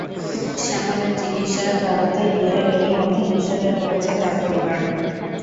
শ্যামলের চিকিৎসা করাতে গিয়ে এরই মধ্যে নিঃস্ব হয়ে পড়েছে তাঁর পরিবার।